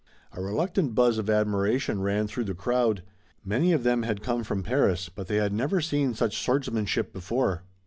A reluctant buzz of admiration ran through the crowd. Many of them had come from Paris, but they had never seen such swordsmanship before.